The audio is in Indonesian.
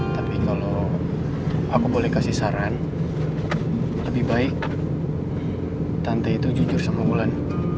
tapi kalau aku boleh kasih saran lebih baik tante itu jujur sama mulan